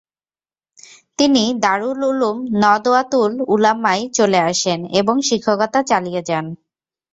তিনি দারুল উলুম নদওয়াতুল উলামায় চলে আসেন এবং শিক্ষকতা চালিয়ে যান।